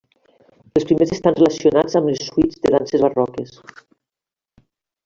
Els primers estan relacionats amb les suites de danses barroques.